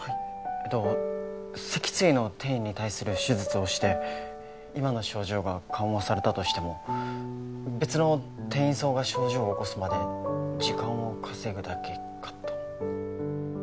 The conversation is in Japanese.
えっと脊椎の転移に対する手術をして今の症状が緩和されたとしても別の転移巣が症状を起こすまで時間を稼ぐだけかと。